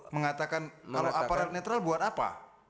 mengatakan kalau aparat netral buat apa